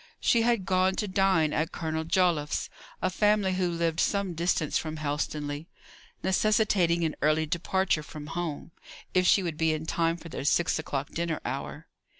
She had gone to dine at Colonel Joliffe's, a family who lived some distance from Helstonleigh necessitating an early departure from home, if she would be in time for their six o'clock dinner hour.